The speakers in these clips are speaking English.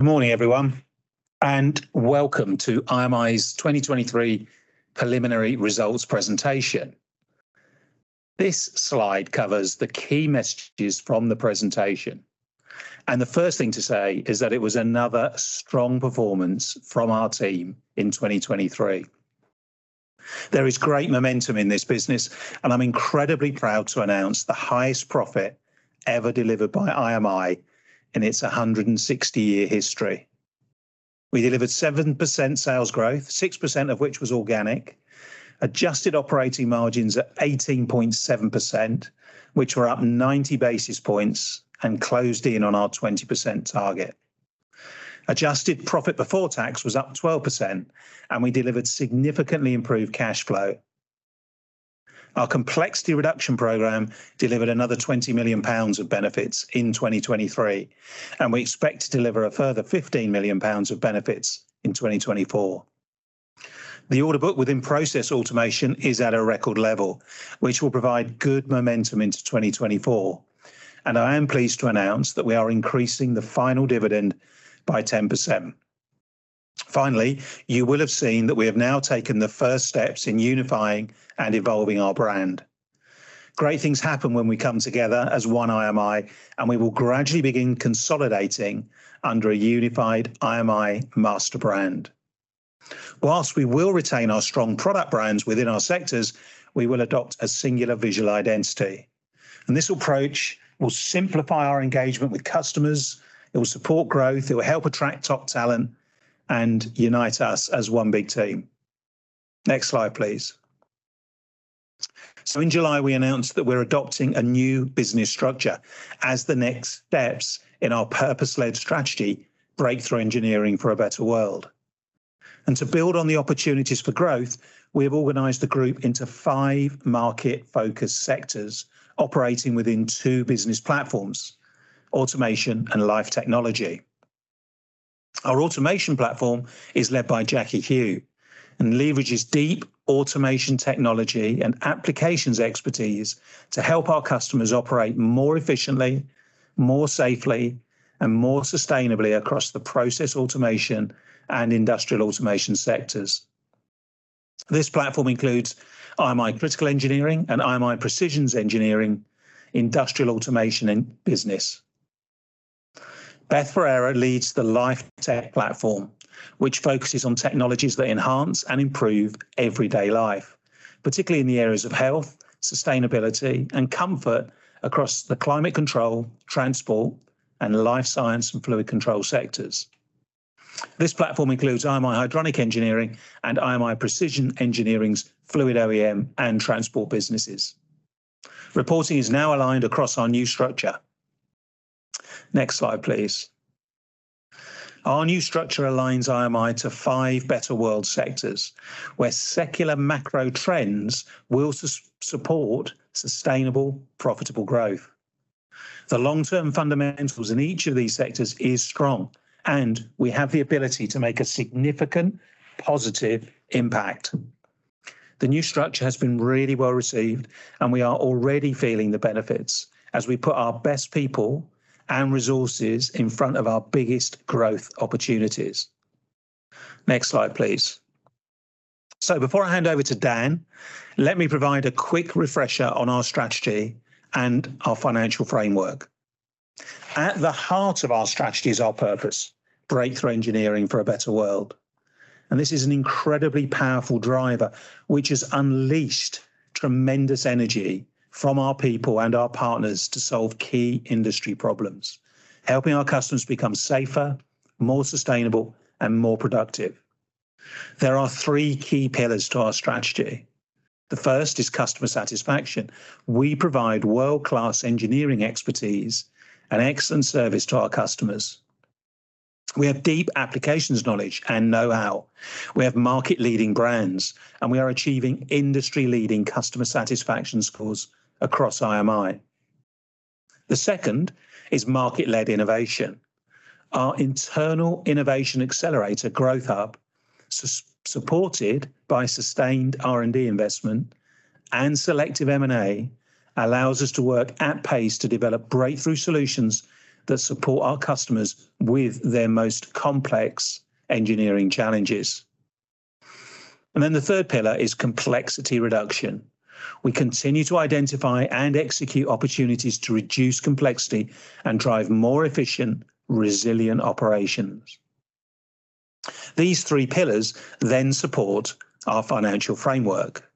Good morning, everyone, and welcome to IMI's 2023 Preliminary Results Presentation. This slide covers the key messages from the presentation, and the first thing to say is that it was another strong performance from our team in 2023. There is great momentum in this business, and I'm incredibly proud to announce the highest profit ever delivered by IMI in its 160-year history. We delivered 7% sales growth, 6% of which was organic. Adjusted operating margins at 18.7%, which were up 90 basis points and closed in on our 20% target. Adjusted profit before tax was up 12%, and we delivered significantly improved cash flow. Our complexity reduction program delivered another 20 million pounds of benefits in 2023, and we expect to deliver a further 15 million pounds of benefits in 2024. The order book within process automation is at a record level, which will provide good momentum into 2024, and I am pleased to announce that we are increasing the final dividend by 10%. Finally, you will have seen that we have now taken the first steps in unifying and evolving our brand. Great things happen when we come together as one IMI, and we will gradually begin consolidating under a unified IMI master brand. While we will retain our strong product brands within our sectors, we will adopt a singular visual identity, and this approach will simplify our engagement with customers. It will support growth, it will help attract top talent and unite us as one big team. Next slide, please. In July, we announced that we're adopting a new business structure as the next steps in our purpose-led strategy, breakthrough engineering for a better world. And to build on the opportunities for growth, we have organized the group into five market-focused sectors, operating within two business platforms: automation and life technology. Our automation platform is led by Jackie Hu and leverages deep automation technology and applications expertise to help our customers operate more efficiently, more safely, and more sustainably across the process automation and industrial automation sectors. This platform includes IMI Critical Engineering and IMI Precision Engineering, Industrial Automation, and Business. Beth Ferreira leads the Life Tech platform, which focuses on technologies that enhance and improve everyday life, particularly in the areas of health, sustainability, and comfort across the climate control, transport, and life science and Fluid Control sectors. This platform includes IMI Hydronic Engineering and IMI Precision Engineering's Fluid OEM and transport businesses. Reporting is now aligned across our new structure. Next slide, please. Our new structure aligns IMI to five better world sectors, where secular macro trends will support sustainable, profitable growth. The long-term fundamentals in each of these sectors is strong, and we have the ability to make a significant positive impact. The new structure has been really well received, and we are already feeling the benefits as we put our best people and resources in front of our biggest growth opportunities. Next slide, please. So before I hand over to Dan, let me provide a quick refresher on our strategy and our financial framework. At the heart of our strategy is our purpose: breakthrough engineering for a better world. And this is an incredibly powerful driver, which has unleashed tremendous energy from our people and our partners to solve key industry problems, helping our customers become safer, more sustainable, and more productive. There are three key pillars to our strategy. The first is customer satisfaction. We provide world-class engineering expertise and excellent service to our customers. We have deep applications knowledge and know-how. We have market-leading brands, and we are achieving industry-leading customer satisfaction scores across IMI. The second is market-led innovation. Our internal innovation accelerator, Growth Hub, supported by sustained R&D investment and selective M&A, allows us to work at pace to develop breakthrough solutions that support our customers with their most complex engineering challenges. And then the third pillar is complexity reduction. We continue to identify and execute opportunities to reduce complexity and drive more efficient, resilient operations. These three pillars then support our financial framework.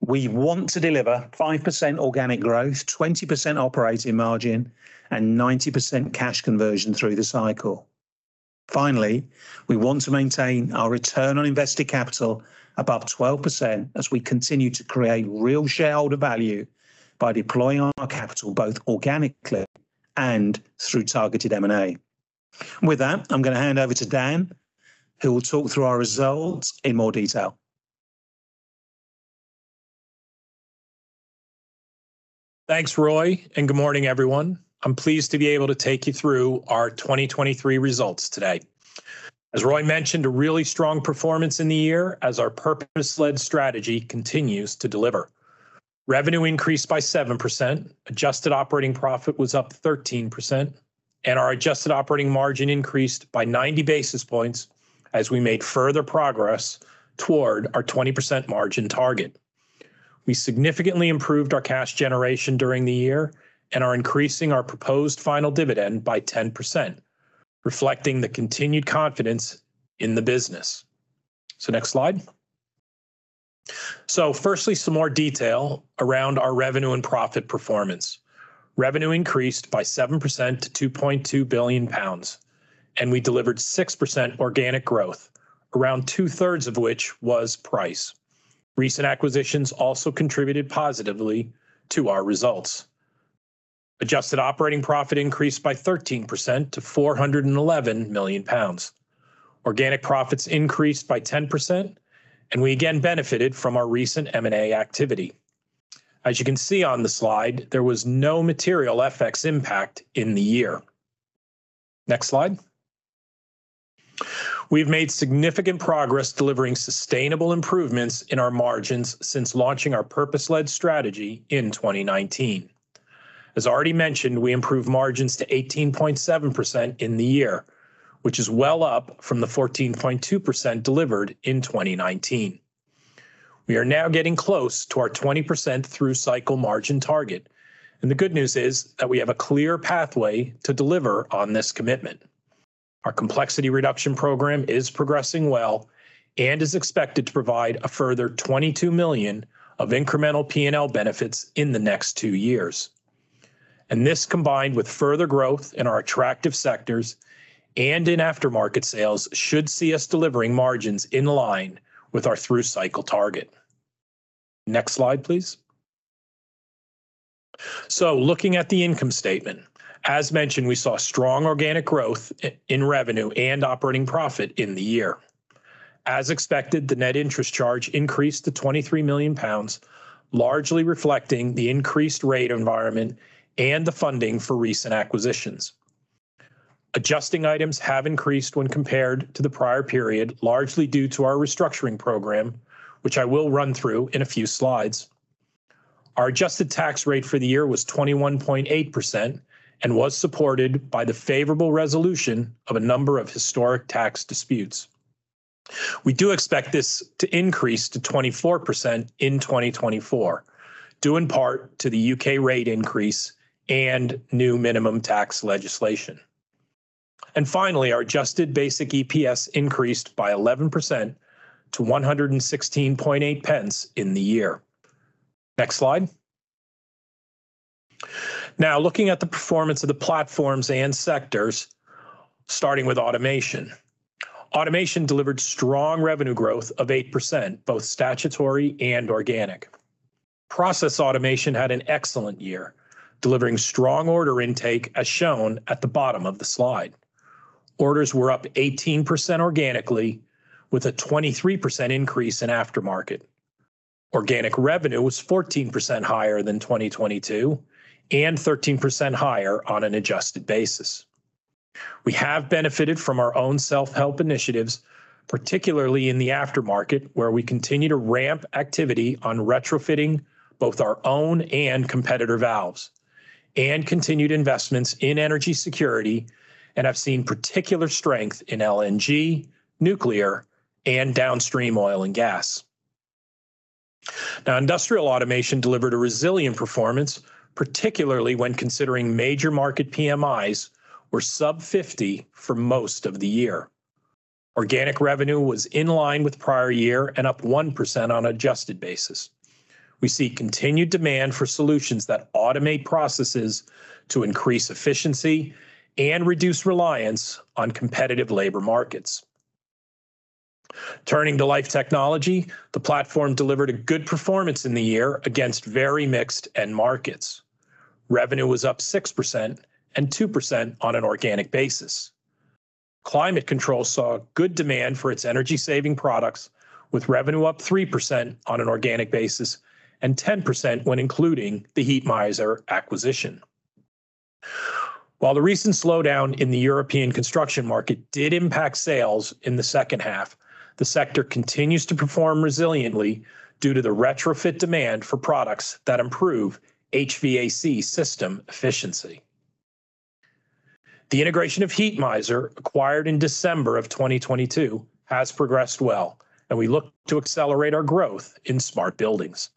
We want to deliver 5% organic growth, 20% operating margin, and 90% cash conversion through the cycle. Finally, we want to maintain our Return on Invested Capital above 12% as we continue to create real shareholder value by deploying our capital both organically and through targeted M&A. With that, I'm going to hand over to Dan, who will talk through our results in more detail. Thanks, Roy, and good morning, everyone. I'm pleased to be able to take you through our 2023 results today. As Roy mentioned, a really strong performance in the year as our purpose-led strategy continues to deliver. Revenue increased by 7%, adjusted operating profit was up 13%, and our adjusted operating margin increased by 90 basis points as we made further progress toward our 20% margin target. We significantly improved our cash generation during the year and are increasing our proposed final dividend by 10%, reflecting the continued confidence in the business. So next slide. So firstly, some more detail around our revenue and profit performance. Revenue increased by 7% to 2.2 billion pounds, and we delivered 6% organic growth, around two-thirds of which was price. Recent acquisitions also contributed positively to our results. Adjusted operating profit increased by 13% to 411 million pounds. Organic profits increased by 10%, and we again benefited from our recent M&A activity. As you can see on the slide, there was no material FX impact in the year. Next slide. We've made significant progress delivering sustainable improvements in our margins since launching our purpose-led strategy in 2019. As already mentioned, we improved margins to 18.7% in the year, which is well up from the 14.2% delivered in 2019. We are now getting close to our 20% through-cycle margin target, and the good news is that we have a clear pathway to deliver on this commitment. Our complexity reduction program is progressing well and is expected to provide a further 22 million of incremental P&L benefits in the next two years. And this, combined with further growth in our attractive sectors and in aftermarket sales, should see us delivering margins in line with our through-cycle target. Next slide, please. So looking at the income statement. As mentioned, we saw strong organic growth in revenue and operating profit in the year. As expected, the net interest charge increased to 23 million pounds, largely reflecting the increased rate environment and the funding for recent acquisitions. Adjusting items have increased when compared to the prior period, largely due to our restructuring program, which I will run through in a few slides. Our adjusted tax rate for the year was 21.8% and was supported by the favorable resolution of a number of historic tax disputes. We do expect this to increase to 24% in 2024, due in part to the UK rate increase and new minimum tax legislation. Finally, our adjusted basic EPS increased by 11% to 116.8 pence in the year. Next slide. Now, looking at the performance of the platforms and sectors, starting with Automation. Automation delivered strong revenue growth of 8%, both statutory and organic. Process Automation had an excellent year, delivering strong order intake, as shown at the bottom of the slide. Orders were up 18% organically, with a 23% increase in aftermarket. Organic revenue was 14% higher than 2022 and 13% higher on an adjusted basis. We have benefited from our own self-help initiatives, particularly in the aftermarket, where we continue to ramp activity on retrofitting both our own and competitor valves, and continued investments in energy security, and have seen particular strength in LNG, nuclear, and downstream oil and gas. Now, Industrial Automation delivered a resilient performance, particularly when considering major market PMIs were sub-50 for most of the year. Organic revenue was in line with prior year and up 1% on an adjusted basis. We see continued demand for solutions that automate processes to increase efficiency and reduce reliance on competitive labor markets. Turning to Life Technology, the platform delivered a good performance in the year against very mixed end markets. Revenue was up 6% and 2% on an organic basis. Climate Control saw good demand for its energy-saving products, with revenue up 3% on an organic basis and 10% when including the Heatmiser acquisition. While the recent slowdown in the European construction market did impact sales in the second half, the sector continues to perform resiliently due to the retrofit demand for products that improve HVAC system efficiency. The integration of Heatmiser, acquired in December of 2022, has progressed well, and we look to accelerate our growth in smart buildings.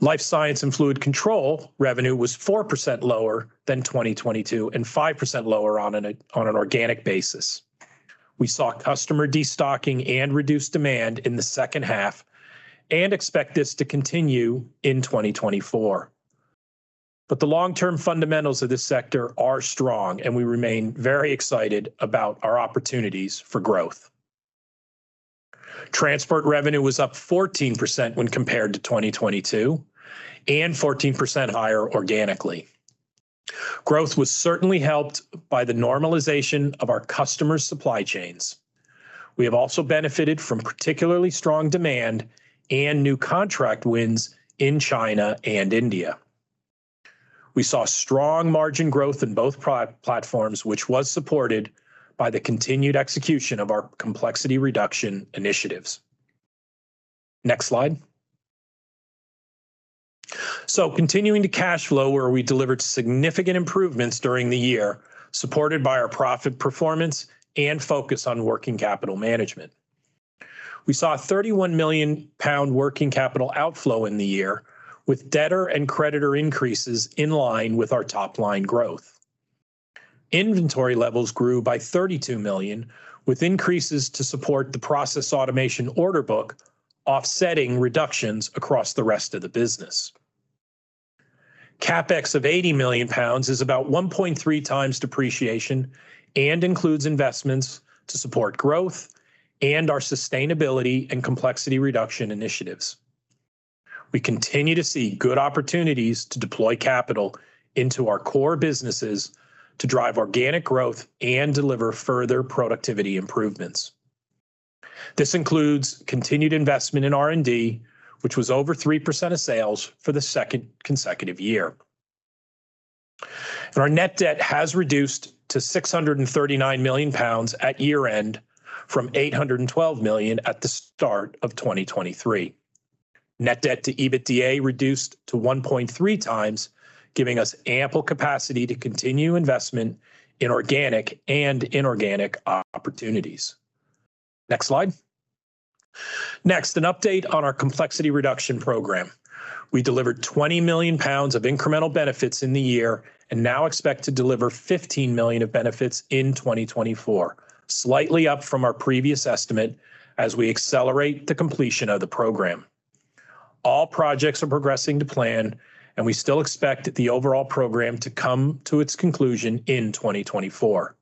Life Science and Fluid Control revenue was 4% lower than 2022 and 5% lower on an organic basis. We saw customer destocking and reduced demand in the second half and expect this to continue in 2024. But the long-term fundamentals of this sector are strong, and we remain very excited about our opportunities for growth. Transport revenue was up 14% when compared to 2022 and 14% higher organically. Growth was certainly helped by the normalization of our customers' supply chains. We have also benefited from particularly strong demand and new contract wins in China and India. We saw strong margin growth in both platforms, which was supported by the continued execution of our complexity reduction initiatives. Next slide. So continuing to cash flow, where we delivered significant improvements during the year, supported by our profit performance and focus on working capital management. We saw a 31 million pound working capital outflow in the year, with debtor and creditor increases in line with our top-line growth. Inventory levels grew by 32 million, with increases to support the process automation order book, offsetting reductions across the rest of the business. CapEx of 80 million pounds is about 1.3 times depreciation and includes investments to support growth and our sustainability and complexity reduction initiatives. We continue to see good opportunities to deploy capital into our core businesses to drive organic growth and deliver further productivity improvements. This includes continued investment in R&D, which was over 3% of sales for the second consecutive year. Our net debt has reduced to 639 million pounds at year-end, from 812 million at the start of 2023. Net debt to EBITDA reduced to 1.3 times, giving us ample capacity to continue investment in organic and inorganic opportunities. Next slide. Next, an update on our complexity reduction program. We delivered 20 million pounds of incremental benefits in the year and now expect to deliver 15 million of benefits in 2024, slightly up from our previous estimate as we accelerate the completion of the program. All projects are progressing to plan, and we still expect the overall program to come to its conclusion in 2024.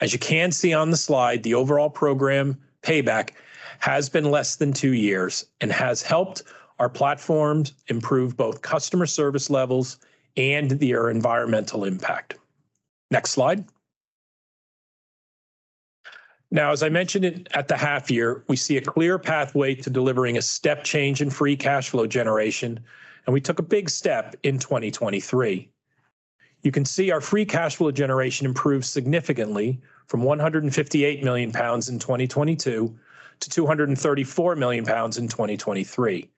As you can see on the slide, the overall program payback has been less than 2 years and has helped our platforms improve both customer service levels and their environmental impact. Next slide. Now, as I mentioned it at the half year, we see a clear pathway to delivering a step change in free cash flow generation, and we took a big step in 2023. You can see our free cash flow generation improved significantly from 158 million pounds in 2022 to 234 million pounds in 2023.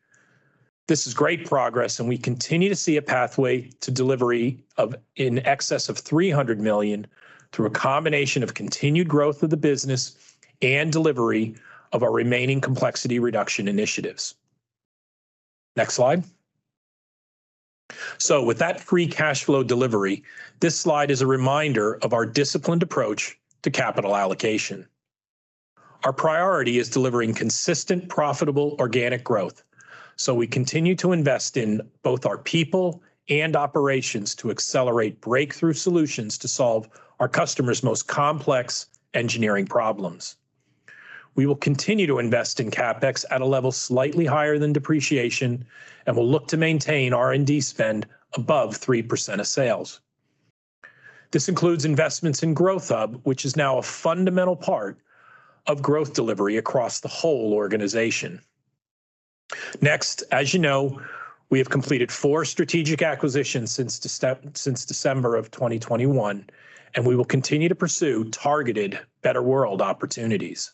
This is great progress, and we continue to see a pathway to delivery of in excess of 300 million through a combination of continued growth of the business and delivery of our remaining complexity reduction initiatives. Next slide. So with that free cash flow delivery, this slide is a reminder of our disciplined approach to capital allocation. Our priority is delivering consistent, profitable, organic growth, so we continue to invest in both our people and operations to accelerate breakthrough solutions to solve our customers' most complex engineering problems. We will continue to invest in CapEx at a level slightly higher than depreciation and will look to maintain R&D spend above 3% of sales. This includes investments in Growth Hub, which is now a fundamental part of growth delivery across the whole organization. Next, as you know, we have completed four strategic acquisitions since December of 2021, and we will continue to pursue targeted better world opportunities.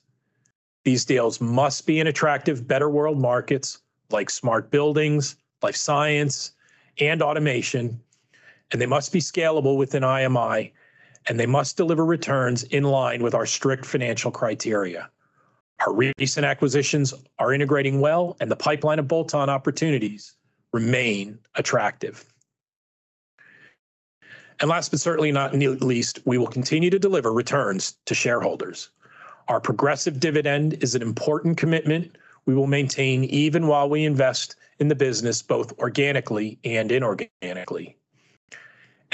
These deals must be in attractive better world markets like smart buildings, life science, and automation, and they must be scalable within IMI, and they must deliver returns in line with our strict financial criteria. Our recent acquisitions are integrating well, and the pipeline of bolt-on opportunities remain attractive. Last, but certainly not least, we will continue to deliver returns to shareholders. Our progressive dividend is an important commitment we will maintain even while we invest in the business, both organically and inorganically.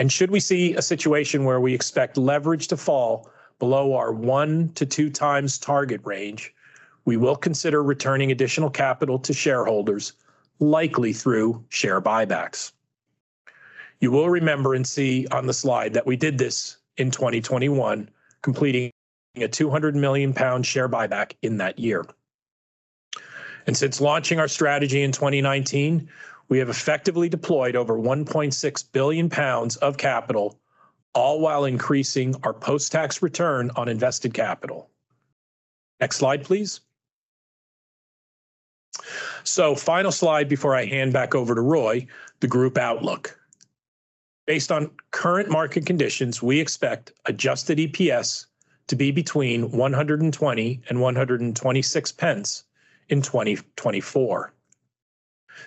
Should we see a situation where we expect leverage to fall below our 1-2 times target range, we will consider returning additional capital to shareholders, likely through share buybacks. You will remember and see on the slide that we did this in 2021, completing a 200 million pound share buyback in that year. Since launching our strategy in 2019, we have effectively deployed over 1.6 billion pounds of capital, all while increasing our post-tax return on invested capital. Next slide, please. So final slide before I hand back over to Roy, the group outlook. Based on current market conditions, we expect adjusted EPS to be between 120 and 126 pence in 2024.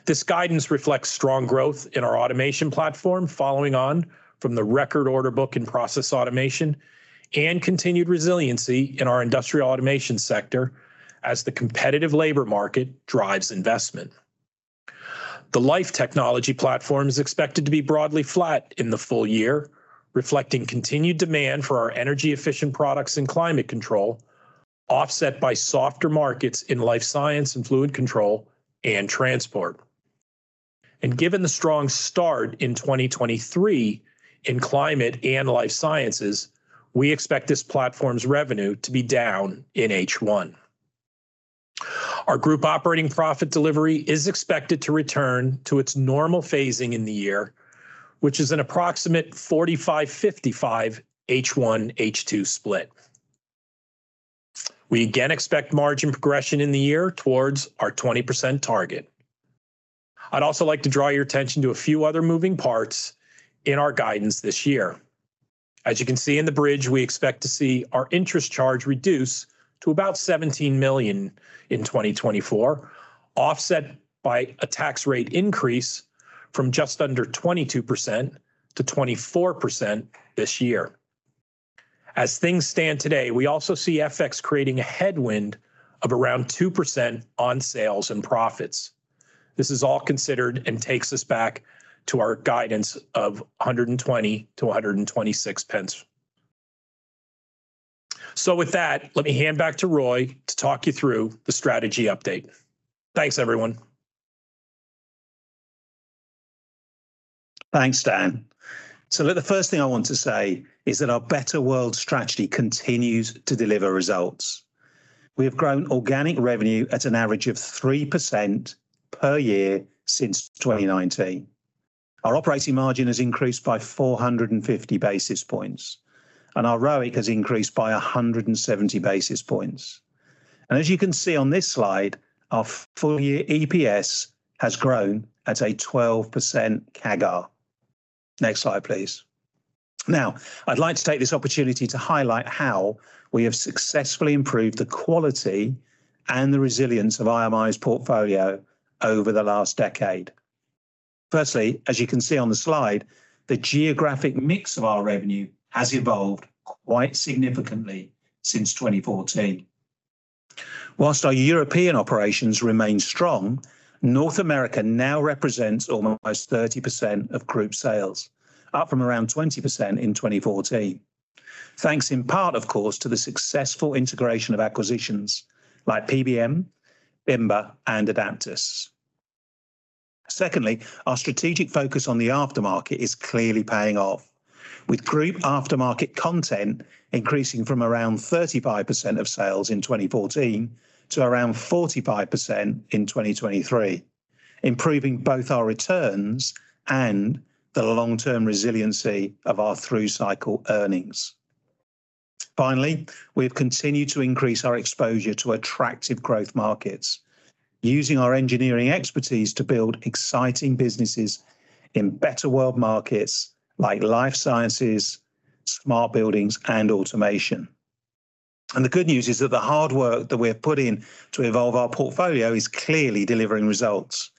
This guidance reflects strong growth in our automation platform, following on from the record order book and process automation, and continued resiliency in our industrial automation sector as the competitive labor market drives investment. The life technology platform is expected to be broadly flat in the full year, reflecting continued demand for our energy-efficient products and climate control, offset by softer markets in life science and fluid control and transport. And given the strong start in 2023 in climate and Life Sciences, we expect this platform's revenue to be down in H1. Our group operating profit delivery is expected to return to its normal phasing in the year, which is an approximate 45, 55 H1, H2 split. We again expect margin progression in the year towards our 20% target. I'd also like to draw your attention to a few other moving parts in our guidance this year. As you can see in the bridge, we expect to see our interest charge reduce to about 17 million in 2024, offset by a tax rate increase from just under 22% to 24% this year. As things stand today, we also see FX creating a headwind of around 2% on sales and profits. This is all considered and takes us back to our guidance of 120-126 pence. So with that, let me hand back to Roy to talk you through the strategy update. Thanks, everyone. Thanks, Dan. So look, the first thing I want to say is that our Better World strategy continues to deliver results. We have grown organic revenue at an average of 3% per year since 2019. Our operating margin has increased by 450 basis points, and our ROIC has increased by 170 basis points. As you can see on this slide, our full year EPS has grown at a 12% CAGR. Next slide, please. Now, I'd like to take this opportunity to highlight how we have successfully improved the quality and the resilience of IMI's portfolio over the last decade. Firstly, as you can see on the slide, the geographic mix of our revenue has evolved quite significantly since 2014. While our European operations remain strong, North America now represents almost 30% of group sales, up from around 20% in 2014. Thanks in part, of course, to the successful integration of acquisitions like PBM, Bimba, and Adaptas. Secondly, our strategic focus on the aftermarket is clearly paying off, with group aftermarket content increasing from around 35% of sales in 2014 to around 45% in 2023, improving both our returns and the long-term resiliency of our through-cycle earnings. Finally, we've continued to increase our exposure to attractive growth markets, using our engineering expertise to build exciting businesses in Better World markets like life sciences, smart buildings, and automation. The good news is that the hard work that we have put in to evolve our portfolio is clearly delivering results,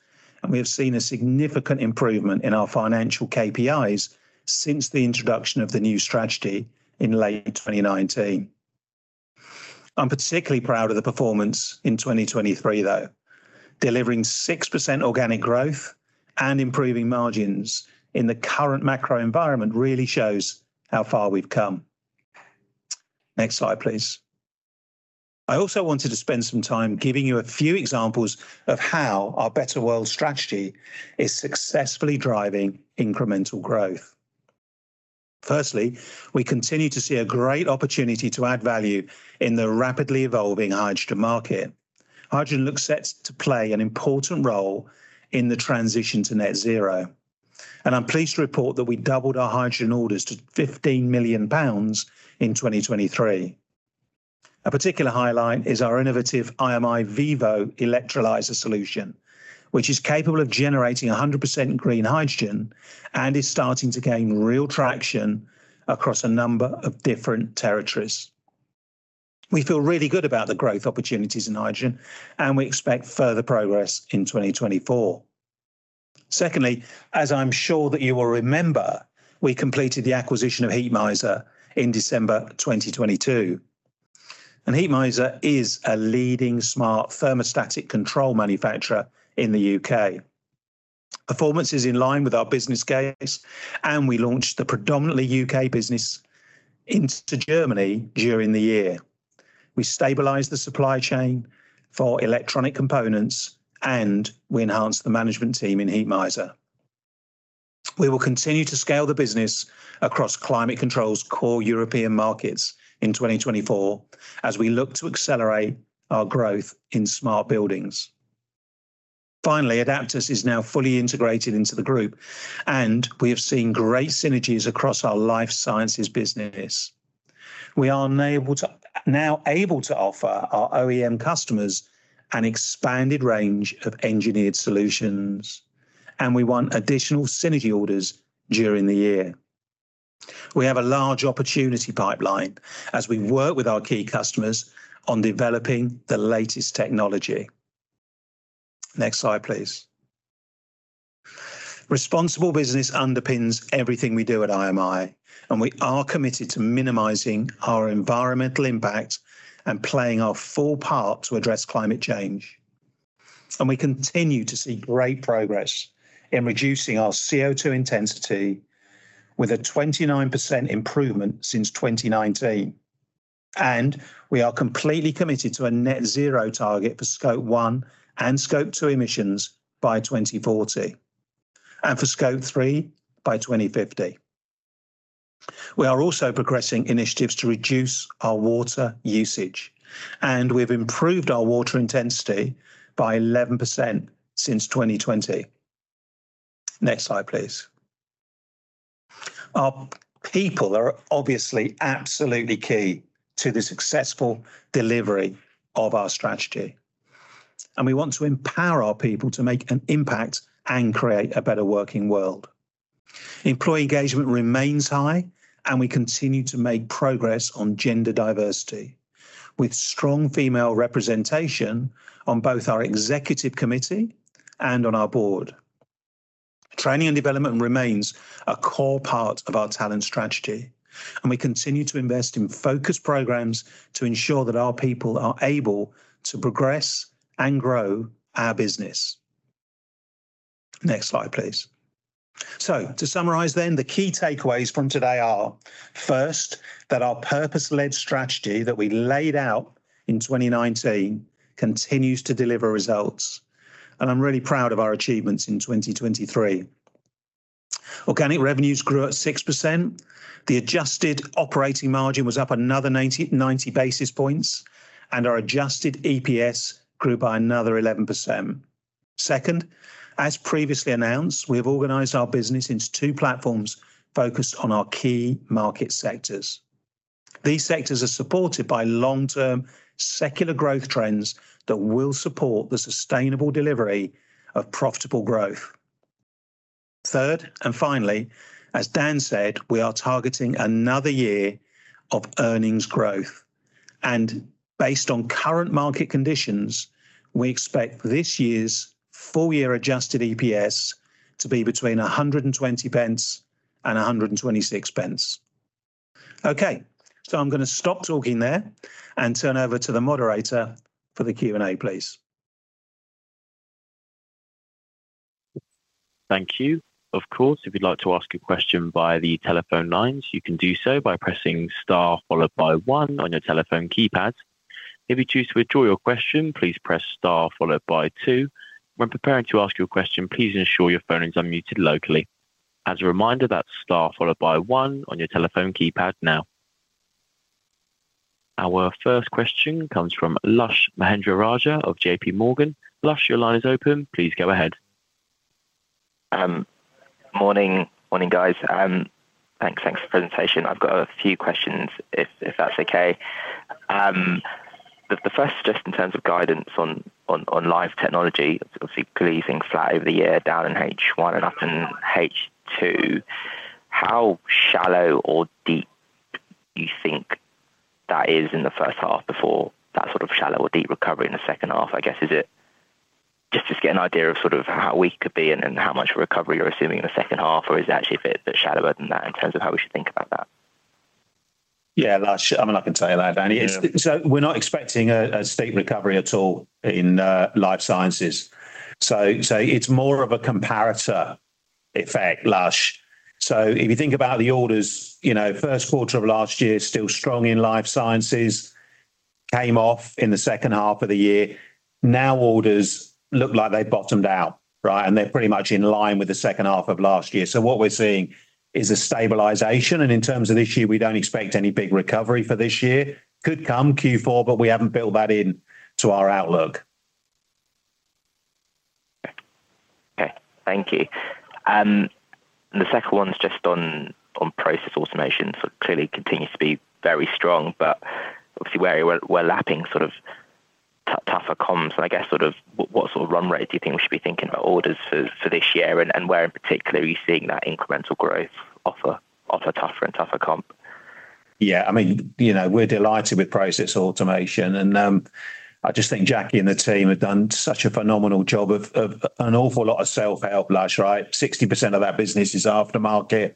and we have seen a significant improvement in our financial KPIs since the introduction of the new strategy in late 2019. I'm particularly proud of the performance in 2023, though. Delivering 6% organic growth and improving margins in the current macro environment really shows how far we've come. Next slide, please. I also wanted to spend some time giving you a few examples of how our Better World strategy is successfully driving incremental growth. Firstly, we continue to see a great opportunity to add value in the rapidly evolving hydrogen market. Hydrogen looks set to play an important role in the transition to net zero, and I'm pleased to report that we doubled our hydrogen orders to 15 million pounds in 2023. A particular highlight is our innovative IMI VIVO Electrolyzer Solution, which is capable of generating 100% green hydrogen and is starting to gain real traction across a number of different territories. We feel really good about the growth opportunities in hydrogen, and we expect further progress in 2024. Secondly, as I'm sure that you will remember, we completed the acquisition of Heatmiser in December 2022, and Heatmiser is a leading smart thermostatic control manufacturer in the UK. Performance is in line with our business case, and we launched the predominantly UK business into Germany during the year. We stabilized the supply chain for electronic components, and we enhanced the management team in Heatmiser. We will continue to scale the business across climate control's core European markets in 2024 as we look to accelerate our growth in smart buildings. Finally, Adaptas is now fully integrated into the group, and we have seen great synergies across our life sciences business. We are now able to offer our OEM customers an expanded range of engineered solutions, and we won additional synergy orders during the year. We have a large opportunity pipeline as we work with our key customers on developing the latest technology. Next slide, please. Responsible business underpins everything we do at IMI, and we are committed to minimizing our environmental impact and playing our full part to address climate change. We continue to see great progress in reducing our CO2 intensity with a 29% improvement since 2019. We are completely committed to a net zero target for Scope 1 and Scope 2 emissions by 2040, and for Scope 3 by 2050. We are also progressing initiatives to reduce our water usage, and we've improved our water intensity by 11% since 2020. Next slide, please. Our people are obviously absolutely key to the successful delivery of our strategy, and we want to empower our people to make an impact and create a better working world. Employee engagement remains high, and we continue to make progress on gender diversity, with strong female representation on both our executive committee and on our board. Training and development remains a core part of our talent strategy, and we continue to invest in focused programs to ensure that our people are able to progress and grow our business. Next slide, please. To summarize then, the key takeaways from today are, first, that our purpose-led strategy that we laid out in 2019 continues to deliver results, and I'm really proud of our achievements in 2023. Organic revenues grew at 6%. The adjusted operating margin was up another 90 basis points, and our adjusted EPS grew by another 11%. Second, as previously announced, we have organized our business into two platforms focused on our key market sectors. These sectors are supported by long-term, secular growth trends that will support the sustainable delivery of profitable growth. Third, and finally, as Dan said, we are targeting another year of earnings growth, and based on current market conditions, we expect this year's full-year adjusted EPS to be between 120 pence and 126 pence. Okay, so I'm gonna stop talking there and turn over to the moderator for the Q&A, please. Thank you. Of course, if you'd like to ask a question via the telephone lines, you can do so by pressing Star followed by One on your telephone keypad. If you choose to withdraw your question, please press Star followed by Two. When preparing to ask your question, please ensure your phone is unmuted locally. As a reminder, that's Star followed by One on your telephone keypad now. Our first question comes from Lush Mahendra Raja of JP Morgan. Lush, your line is open. Please go ahead. Morning. Morning, guys, thanks. Thanks for the presentation. I've got a few questions, if that's okay. The first, just in terms of guidance on Life Technology, obviously pleasing flat over the year, down in H1 and up in H2. How shallow or deep do you think that is in the first half before that sort of shallow or deep recovery in the second half? I guess is it just to get an idea of sort of how weak it could be and then how much recovery you're assuming in the second half, or is it actually a bit shallower than that in terms of how we should think about that? Yeah, Lush, I mean, I can tell you that. Yeah. So we're not expecting a steep recovery at all in life sciences. So it's more of a comparator effect, Lush. So if you think about the orders, you know, first quarter of last year, still strong in life sciences, came off in the second half of the year. Now, orders look like they've bottomed out, right? And they're pretty much in line with the second half of last year. So what we're seeing is a stabilization, and in terms of this year, we don't expect any big recovery for this year. Could come Q4, but we haven't built that in to our outlook. Okay. Thank you. The second one is just on process automation. So clearly continues to be very strong, but obviously we're lapping sort of tougher comps. And I guess sort of what sort of run rate do you think we should be thinking about orders for this year? And where in particular are you seeing that incremental growth off a tougher and tougher comp? Yeah, I mean, you know, we're delighted with process automation, and I just think Jackie and the team have done such a phenomenal job of, of an awful lot of self-help, Lush, right? 60% of that business is aftermarket,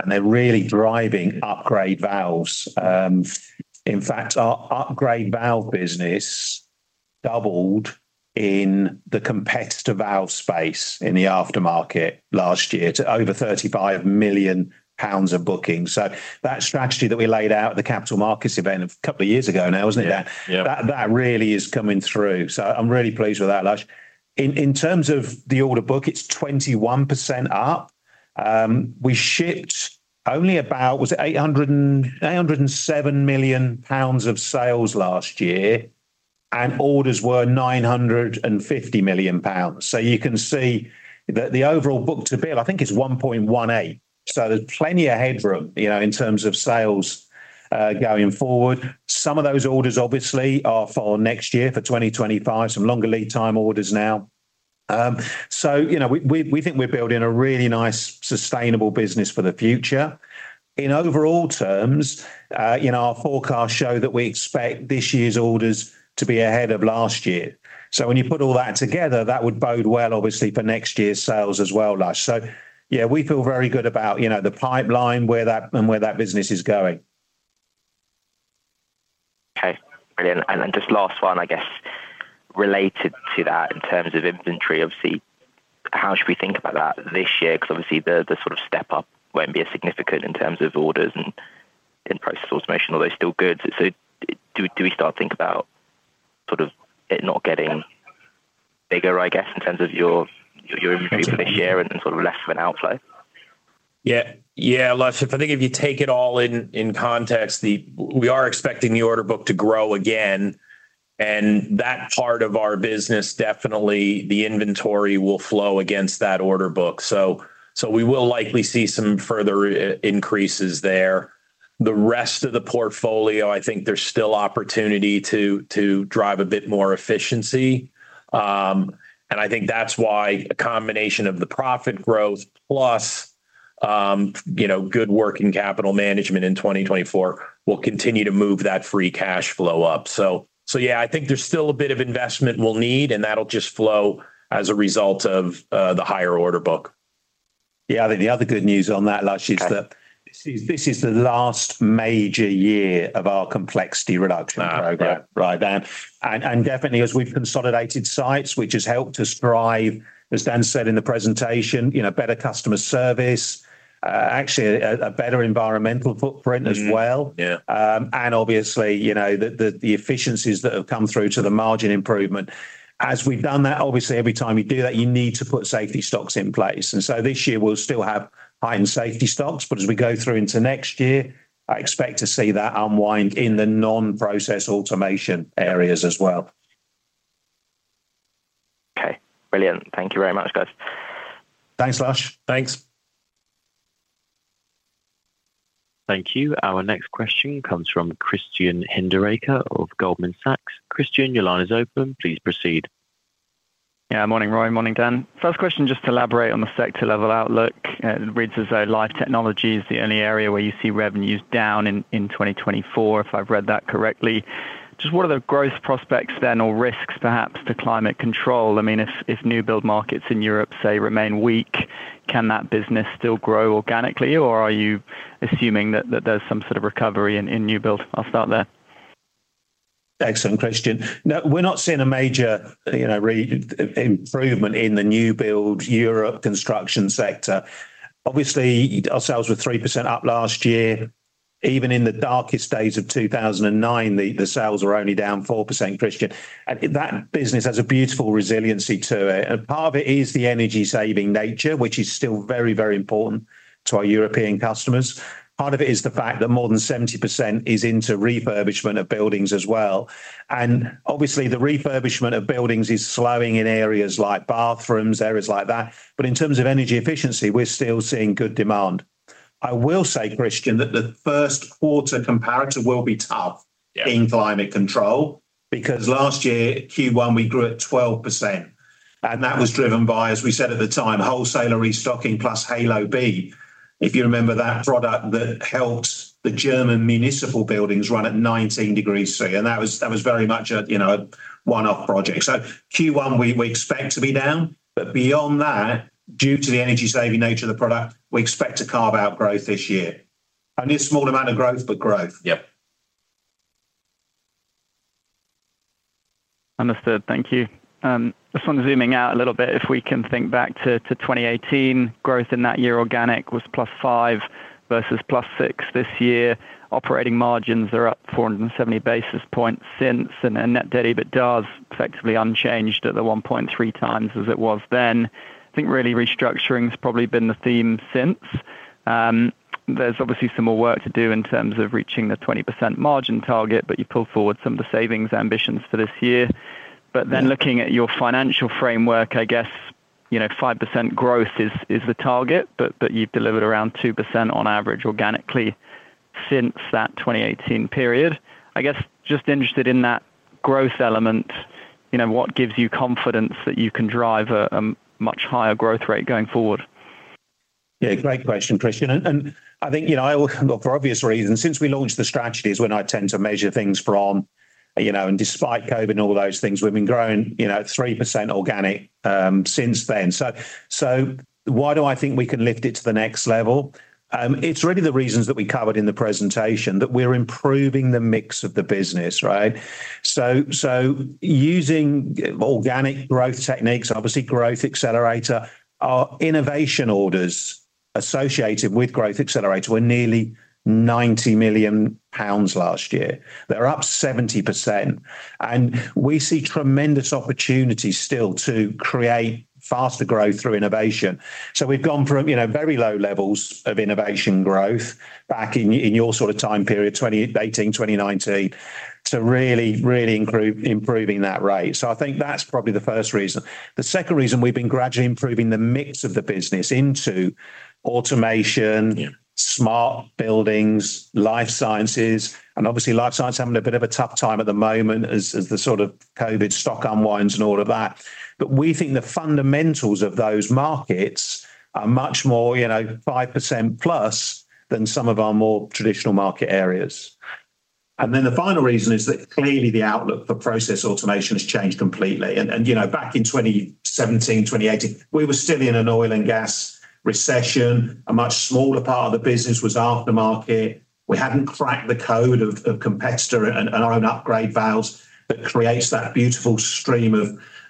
and they're really driving upgrade valves. In fact, our upgrade valve business doubled in the competitive valve space in the aftermarket last year to over 35 million pounds of bookings. So that strategy that we laid out at the capital markets event a couple of years ago now, wasn't it, Dan? Yeah. That, that really is coming through. So I'm really pleased with that, Lush. In, in terms of the order book, it's 21% up. We shipped only about, was it eight hundred and seven million GBP of sales last year, and orders were 950 million pounds. So you can see that the overall book-to-bill, I think, is 1.18. So there's plenty of headroom, you know, in terms of sales, going forward. Some of those orders obviously are for next year, for 2025, some longer lead time orders now. So, you know, we, we, we think we're building a really nice sustainable business for the future. In overall terms, you know, our forecasts show that we expect this year's orders to be ahead of last year. So when you put all that together, that would bode well, obviously, for next year's sales as well, Lush. So yeah, we feel very good about, you know, the pipeline, where that, and where that business is going. Okay, brilliant. And then just last one, I guess, related to that in terms of inventory, obviously, how should we think about that this year? Because obviously, the sort of step-up won't be as significant in terms of orders and in process automation, are they still good? So do we start to think about sort of it not getting bigger, I guess, in terms of your inventory for this year and then sort of less of an outflow? Yeah. Yeah, Lush, I think if you take it all in, in context, we are expecting the order book to grow again, and that part of our business, definitely the inventory will flow against that order book. So, we will likely see some further increases there. The rest of the portfolio, I think there's still opportunity to drive a bit more efficiency. And I think that's why a combination of the profit growth, plus, you know, good working capital management in 2024 will continue to move that free cash flow up. So, yeah, I think there's still a bit of investment we'll need, and that'll just flow as a result of the higher order book. Yeah, I think the other good news on that, Lush, is that this is, this is the last major year of our complexity reduction program, right? Mm-hmm. Definitely, as we've consolidated sites, which has helped us drive, as Dan said in the presentation, you know, better customer service, actually, a better environmental footprint as well. Mm-hmm. Yeah. Obviously, you know, the efficiencies that have come through to the margin improvement. As we've done that, obviously, every time you do that, you need to put safety stocks in place. So this year we'll still have high-end safety stocks, but as we go through into next year, I expect to see that unwind in the non-process automation areas as well. Okay, brilliant. Thank you very much, guys. Thanks, Lush. Thanks. Thank you. Our next question comes from Christian Hinderaker of Goldman Sachs. Christian, your line is open. Please proceed. Yeah, morning, Roy, morning, Dan. First question, just to elaborate on the sector level outlook. It reads as though Life Technology is the only area where you see revenues down in 2024, if I've read that correctly. Just what are the growth prospects then, or risks, perhaps, to Climate Control? I mean, if new build markets in Europe, say, remain weak, can that business still grow organically, or are you assuming that there's some sort of recovery in new build? I'll start there. Excellent question. No, we're not seeing a major, you know, improvement in the new build Europe construction sector. Obviously, our sales were 3% up last year. Even in the darkest days of 2009, the sales were only down 4%, Christian. And that business has a beautiful resiliency to it. And part of it is the energy-saving nature, which is still very, very important to our European customers. Part of it is the fact that more than 70% is into refurbishment of buildings as well. And obviously, the refurbishment of buildings is slowing in areas like bathrooms, areas like that. But in terms of energy efficiency, we're still seeing good demand. I will say, Christian, that the first quarter comparator will be tough. Yeah In climate control, because last year, Q1, we grew at 12%, and that was driven by, as we said at the time, wholesaler restocking plus Halo B. If you remember that product that helped the German municipal buildings run at 19 degrees C. And that was, that was very much a, you know, a one-off project. So Q1, we, we expect to be down, but beyond that, due to the energy-saving nature of the product, we expect to carve out growth this year. Only a small amount of growth, but growth. Yep. Understood. Thank you. Just on zooming out a little bit, if we can think back to, to 2018, growth in that year organic was +5% versus +6% this year. Operating margins are up 470 basis points since, and net debt/EBITDA is effectively unchanged at the 1.3 times as it was then. I think really restructuring has probably been the theme since. There's obviously some more work to do in terms of reaching the 20% margin target, but you pulled forward some of the savings ambitions for this year. Yeah. But then looking at your financial framework, I guess, you know, 5% growth is, is the target, but, but you've delivered around 2% on average organically since that 2018 period. I guess, just interested in that growth element, you know, what gives you confidence that you can drive a much higher growth rate going forward? Yeah, great question, Christian. I think, you know, well, for obvious reasons, since we launched the strategies, when I tend to measure things from, you know, and despite COVID and all those things, we've been growing, you know, 3% organic since then. So why do I think we can lift it to the next level? It's really the reasons that we covered in the presentation, that we're improving the mix of the business, right? So using organic growth techniques, obviously, growth accelerator, our innovation orders associated with growth accelerator were nearly 90 million pounds last year. They're up 70%, and we see tremendous opportunities still to create faster growth through innovation. So we've gone from, you know, very low levels of innovation growth back in in your sort of time period, 2018, 2019, to really, really improving that rate. So I think that's probably the first reason. The second reason, we've been gradually improving the mix of the business into automation- Yeah ... smart buildings, life sciences, and obviously, life science is having a bit of a tough time at the moment as the sort of COVID stock unwinds and all of that. But we think the fundamentals of those markets are much more, you know, 5%+ than some of our more traditional market areas. And then the final reason is that clearly the outlook for Process Automation has changed completely. And you know, back in 2017, 2018, we were still in an oil and gas recession. A much smaller part of the business was aftermarket. We hadn't cracked the code of competitor and our own upgrade valves that creates that beautiful stream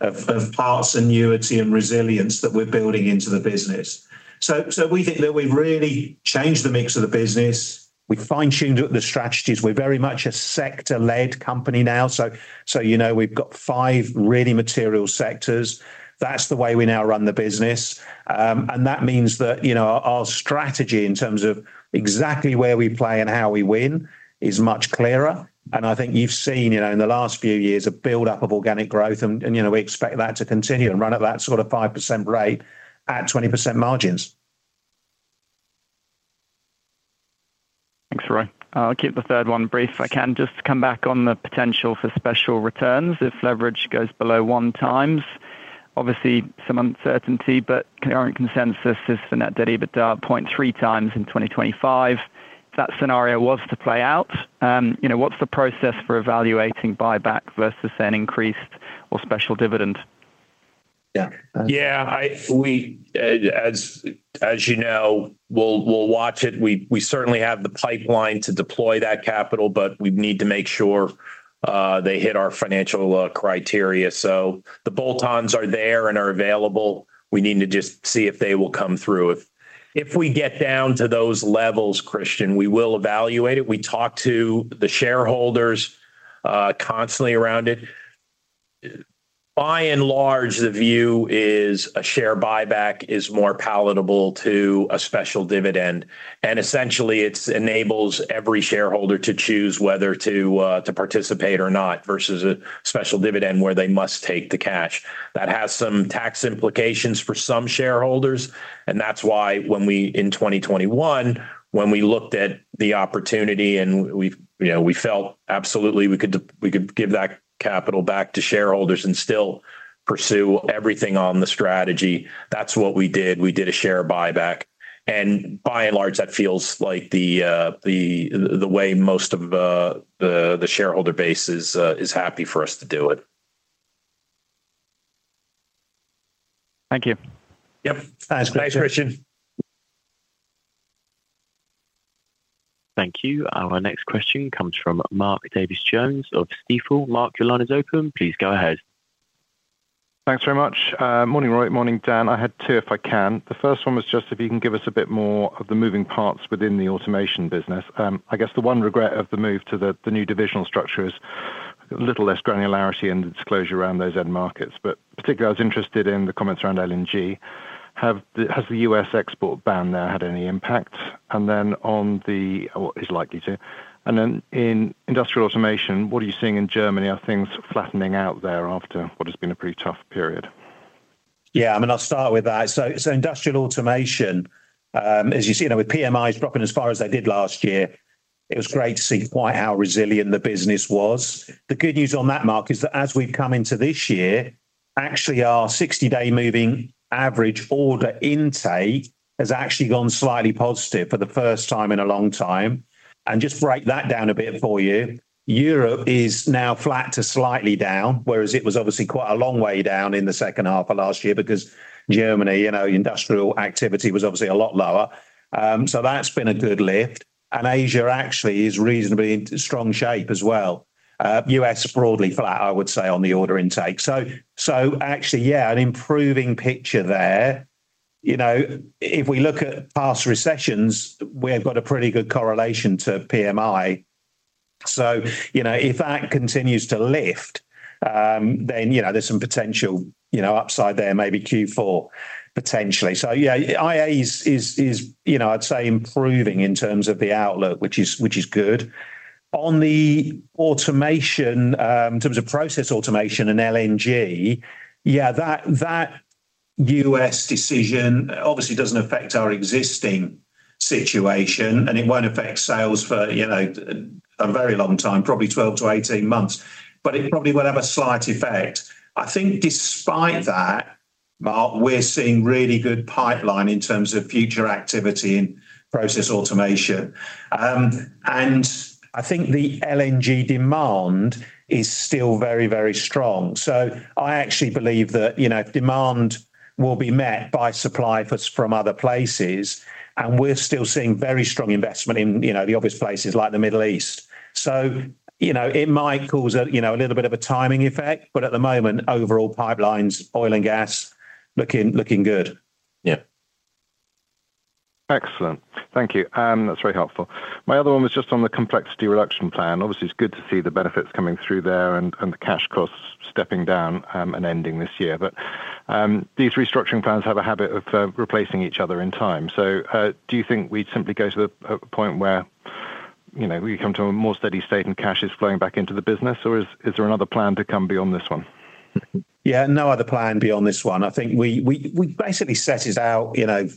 of parts annuity and resilience that we're building into the business. So we think that we've really changed the mix of the business. We fine-tuned the strategies. We're very much a sector-led company now. So, you know, we've got five really material sectors. That's the way we now run the business. That means that, you know, our strategy in terms of exactly where we play and how we win is much clearer. I think you've seen, you know, in the last few years, a buildup of organic growth and, you know, we expect that to continue and run at that sort of 5% rate at 20% margins. I'll keep the third one brief if I can. Just to come back on the potential for special returns if leverage goes below 1x. Obviously, some uncertainty, but current consensus is the net debt/EBITDA 0.3x in 2025. If that scenario was to play out, you know, what's the process for evaluating buyback versus an increased or special dividend? Yeah. Yeah, as you know, we'll watch it. We certainly have the pipeline to deploy that capital, but we need to make sure they hit our financial criteria. So the bolt-ons are there and are available. We need to just see if they will come through. If we get down to those levels, Christian, we will evaluate it. We talk to the shareholders constantly around it. By and large, the view is a share buyback is more palatable to a special dividend, and essentially, it enables every shareholder to choose whether to participate or not, versus a special dividend, where they must take the cash. That has some tax implications for some shareholders, and that's why when we, in 2021, when we looked at the opportunity and we, you know, we felt absolutely we could, we could give that capital back to shareholders and still pursue everything on the strategy. That's what we did. We did a share buyback, and by and large, that feels like the way most of the shareholder base is happy for us to do it. Thank you. Yep. Thanks. Thanks, Christian. Thank you. Our next question comes from Mark Davies Jones of Stifel. Mark, your line is open. Please go ahead. Thanks very much. Morning, Roy, morning, Dan. I had two, if I can. The first one was just if you can give us a bit more of the moving parts within the automation business. I guess the one regret of the move to the, the new divisional structure is a little less granularity and disclosure around those end markets. But particularly, I was interested in the comments around LNG. Has the US export ban there had any impact? And then on the or is likely to. And then in industrial automation, what are you seeing in Germany? Are things flattening out there after what has been a pretty tough period? Yeah, I mean, I'll start with that. So, so industrial automation, as you see, you know, with PMIs dropping as far as they did last year, it was great to see quite how resilient the business was. The good news on that, Mark, is that as we've come into this year, actually, our 60-day moving average order intake has actually gone slightly positive for the first time in a long time. And just to break that down a bit for you, Europe is now flat to slightly down, whereas it was obviously quite a long way down in the second half of last year because Germany, you know, industrial activity was obviously a lot lower. So that's been a good lift. And Asia actually is reasonably in strong shape as well. US is broadly flat, I would say, on the order intake. So, actually, yeah, an improving picture there. You know, if we look at past recessions, we've got a pretty good correlation to PMI. So, you know, if that continues to lift, then, you know, there's some potential, you know, upside there, maybe Q4, potentially. So yeah, IA is, you know, I'd say, improving in terms of the outlook, which is good. On the automation, in terms of process automation and LNG, yeah, that US decision obviously doesn't affect our existing situation, and it won't affect sales for, you know, a very long time, probably 12-18 months. But it probably will have a slight effect. I think despite that, Mark, we're seeing really good pipeline in terms of future activity in process automation. And I think the LNG demand is still very, very strong. So I actually believe that, you know, demand will be met by supply from other places, and we're still seeing very strong investment in, you know, the obvious places like the Middle East. So, you know, it might cause a, you know, a little bit of a timing effect, but at the moment, overall pipelines, oil and gas, looking, looking good. Yeah. Excellent. Thank you. That's very helpful. My other one was just on the complexity reduction plan. Obviously, it's good to see the benefits coming through there and, and the cash costs stepping down, and ending this year. But, these restructuring plans have a habit of, replacing each other in time. So, do you think we'd simply go to the point where, you know, we come to a more steady state, and cash is flowing back into the business, or is, is there another plan to come beyond this one? Yeah, no other plan beyond this one. I think we basically set this out, you know,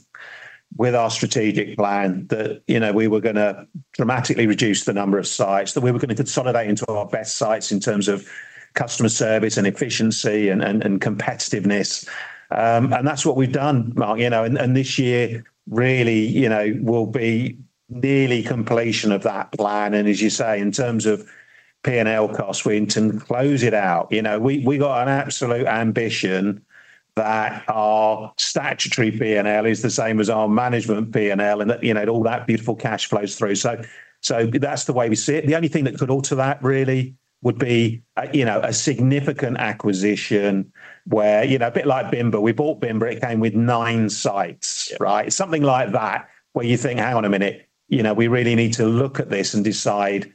with our strategic plan, that, you know, we were gonna dramatically reduce the number of sites, that we were gonna consolidate into our best sites in terms of customer service and efficiency and competitiveness. And that's what we've done, Mark, you know, and this year really, you know, will be nearly completion of that plan. And as you say, in terms of P&L cost, we aim to close it out. You know, we got an absolute ambition that our statutory P&L is the same as our management P&L, and that, you know, all that beautiful cash flows through. So that's the way we see it. The only thing that could alter that really would be a, you know, a significant acquisition where, you know, a bit like Bimba. We bought Bimba, it came with 9 sites, right? Something like that, where you think, "Hang on a minute, you know, we really need to look at this and decide,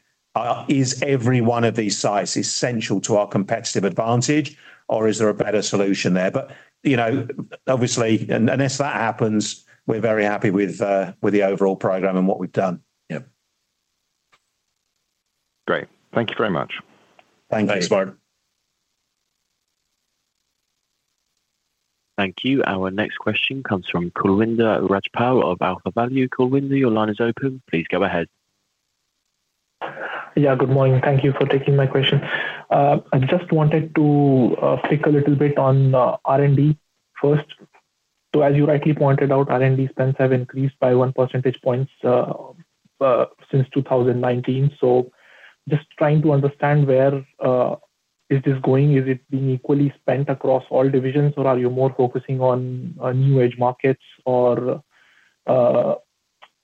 is every one of these sites essential to our competitive advantage, or is there a better solution there?" But, you know, obviously, unless that happens, we're very happy with, with the overall program and what we've done. Yeah. Great. Thank you very much. Thank you. Thanks, Mark. Thank you. Our next question comes from Kulwinder Rajpal of Alpha Value. Kulwinder, your line is open. Please go ahead. Yeah, good morning. Thank you for taking my question. I just wanted to pick a little bit on R&D first. So as you rightly pointed out, R&D spends have increased by 1 percentage points since 2019. So just trying to understand where is this going? Is it being equally spent across all divisions, or are you more focusing on new age markets or,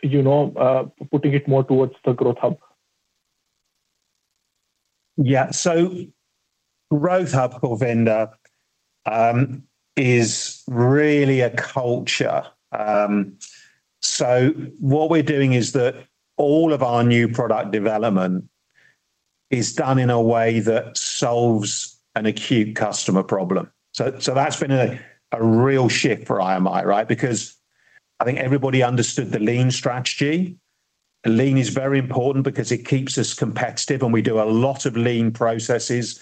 you know, putting it more towards the Growth Hub? Yeah. So Growth Hub, Kulwinder, is really a culture. So what we're doing is that all of our new product development is done in a way that solves an acute customer problem. So, so that's been a, a real shift for IMI, right? Because I think everybody understood the lean strategy. Lean is very important because it keeps us competitive, and we do a lot of lean processes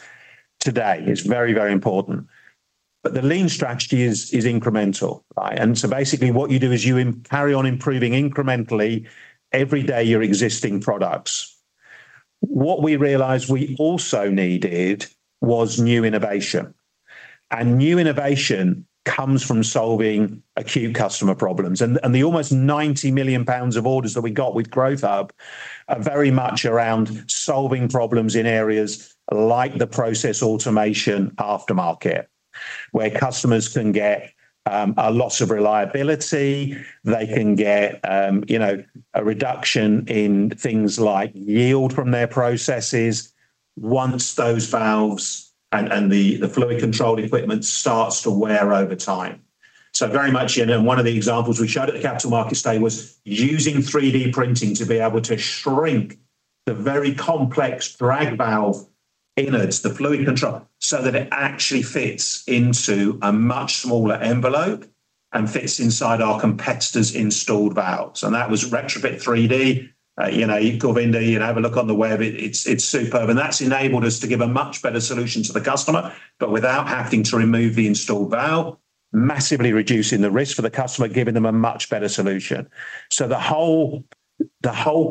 today. It's very, very important. But the lean strategy is, is incremental, right? And so basically, what you do is you carry on improving incrementally, every day, your existing products. What we realized we also needed was new innovation, and new innovation comes from solving acute customer problems. And the almost 90 million pounds of orders that we got with Growth Hub are very much around solving problems in areas like the process automation aftermarket, where customers can get a lots of reliability. They can get, you know, a reduction in things like yield from their processes once those valves and the fluid control equipment starts to wear over time. So very much, you know, one of the examples we showed at the Capital Markets Day was using 3D printing to be able to shrink the very complex drag valve innards, the fluid control, so that it actually fits into a much smaller envelope and fits inside our competitor's installed valves. And that was Retrofit3D. You know, you, Kulwinder, you have a look on the web. It's superb, and that's enabled us to give a much better solution to the customer, but without having to remove the installed valve, massively reducing the risk for the customer, giving them a much better solution. So the whole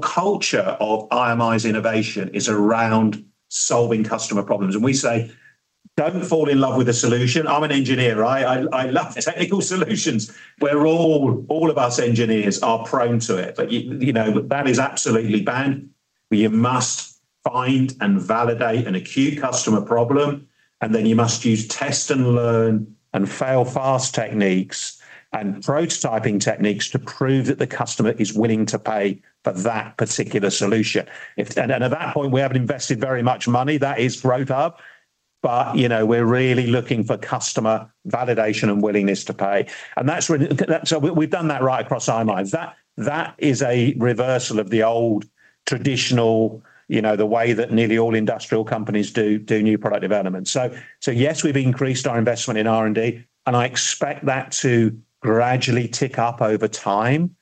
culture of IMI's innovation is around solving customer problems. And we say, "Don't fall in love with a solution." I'm an engineer, right? I love technical solutions, where all of us engineers are prone to it. But you know, that is absolutely banned, where you must find and validate an acute customer problem, and then you must use test and learn and fail fast techniques and prototyping techniques to prove that the customer is willing to pay for that particular solution. And at that point, we haven't invested very much money. That is Growth Hub. You know, we're really looking for customer validation and willingness to pay, and that's when. So we, we've done that right across IMI. That is a reversal of the old traditional, you know, the way that nearly all industrial companies do new product development. So yes, we've increased our investment in R&D, and I expect that to gradually tick up over time,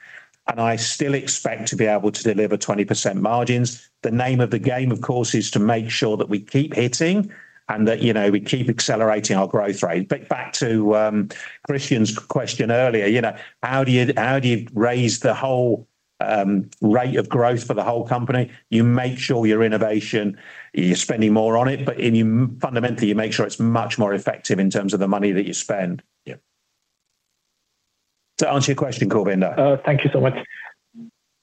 and I still expect to be able to deliver 20% margins. The name of the game, of course, is to make sure that we keep hitting and that, you know, we keep accelerating our growth rate. But back to Christian's question earlier, you know, how do you raise the whole rate of growth for the whole company? You make sure your innovation, you're spending more on it, but and you, fundamentally, you make sure it's much more effective in terms of the money that you spend. Yeah. To answer your question, Kulwinder. Thank you so much.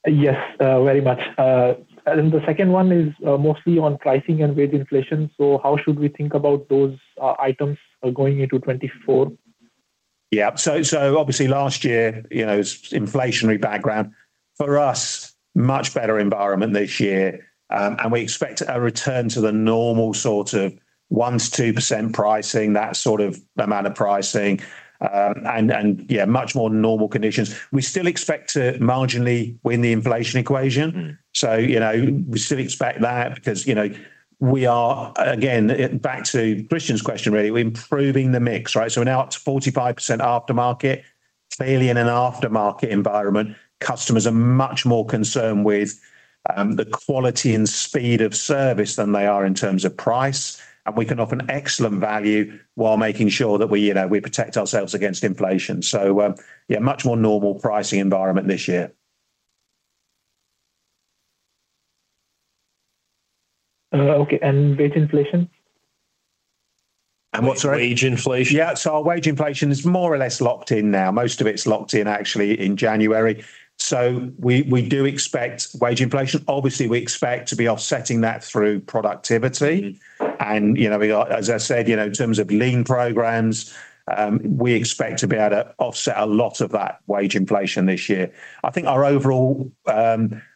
Yes, very much. And then the second one is, mostly on pricing and wage inflation. So how should we think about those items going into 2024? Yeah. So obviously, last year, you know, it's inflationary background. For us, much better environment this year, and we expect a return to the normal sort of 1%-2% pricing, that sort of amount of pricing, and yeah, much more normal conditions. We still expect to marginally win the inflation equation. Mm. So, you know, we still expect that because, you know, we are... Again, back to Christian's question, really, we're improving the mix, right? So we're now at 45% aftermarket. Clearly, in an aftermarket environment, customers are much more concerned with the quality and speed of service than they are in terms of price, and we can offer an excellent value while making sure that we, you know, we protect ourselves against inflation. So, yeah, much more normal pricing environment this year. Okay, and wage inflation? What, sorry? Wage inflation. Yeah. So our wage inflation is more or less locked in now. Most of it's locked in, actually, in January, so we do expect wage inflation. Obviously, we expect to be offsetting that through productivity. Mm. And, you know, we are, as I said, you know, in terms of lean programs, we expect to be able to offset a lot of that wage inflation this year. I think our overall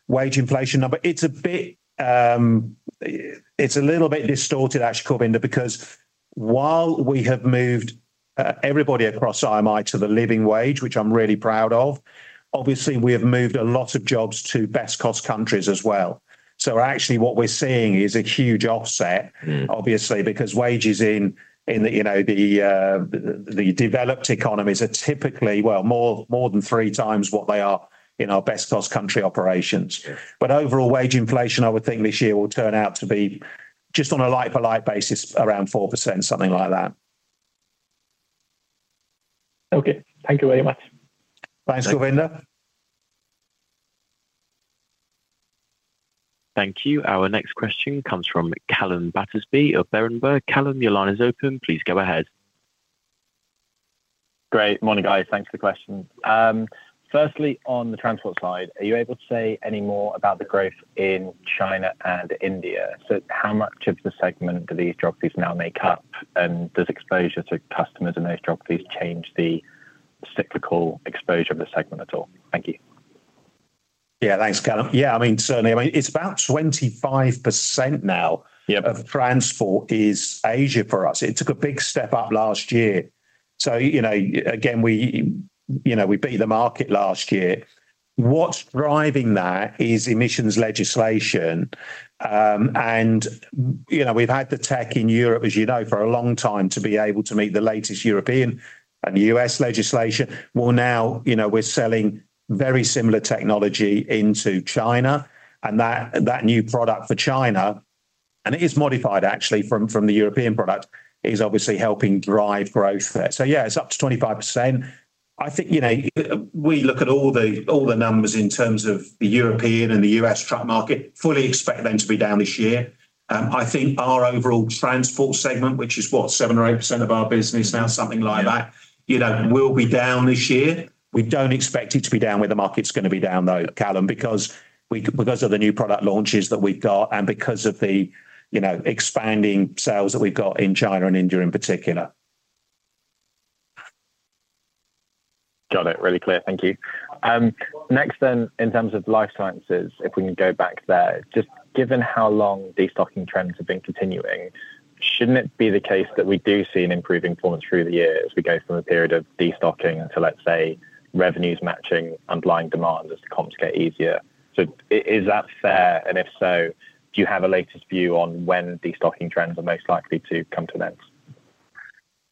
wage inflation number, it's a bit, it's a little bit distorted, actually, Kulwinder, because while we have moved everybody across IMI to the living wage, which I'm really proud of, obviously, we have moved a lot of jobs to best cost countries as well. So actually, what we're seeing is a huge offset- Mm. Obviously, because wages in you know the developed economies are typically well more than three times what they are in our best cost country operations. Yeah. Overall wage inflation, I would think this year, will turn out to be just on a like-for-like basis, around 4%, something like that. Okay, thank you very much. Thanks, Kulwinder. Thank you. Our next question comes from Callum Battersby of Berenberg. Callum, your line is open. Please go ahead. Great. Morning, guys. Thanks for the question. Firstly, on the transport side, are you able to say any more about the growth in China and India? So how much of the segment do these geographies now make up, and does exposure to customers in those geographies change the cyclical exposure of the segment at all? Thank you. Yeah, thanks, Callum. Yeah, I mean, certainly. I mean, it's about 25% now- Yeah Of transport is Asia for us. It took a big step up last year. So, you know, again, we, you know, we beat the market last year. What's driving that is emissions legislation. And, you know, we've had the tech in Europe, as you know, for a long time, to be able to meet the latest European and US legislation. Well, now, you know, we're selling very similar technology into China, and that, that new product for China, and it is modified actually from, from the European product, is obviously helping drive growth there. So yeah, it's up to 25%. I think, you know, we look at all the, all the numbers in terms of the European and the US truck market, fully expect them to be down this year. I think our overall transport segment, which is what? 7%-8% of our business now, something like that, you know, will be down this year. We don't expect it to be down where the market's going to be down, though, Callum, because of the new product launches that we've got and because of the, you know, expanding sales that we've got in China and India in particular. Got it. Really clear. Thank you. Next then, in terms of life sciences, if we can go back there, just given how long destocking trends have been continuing, shouldn't it be the case that we do see an improving performance through the year as we go from a period of destocking to, let's say, revenues matching underlying demand as the comps get easier? So is that fair, and if so, do you have a latest view on when destocking trends are most likely to come to an end?